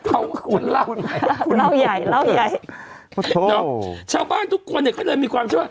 เอาคุณเล่าใหม่